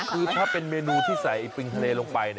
คือถ้าเป็นเมนูที่ใส่ไอ้ปริงทะเลลงไป